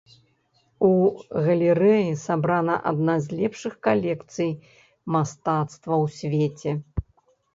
У галерэі сабрана адна з лепшых калекцый мастацтва ў свеце.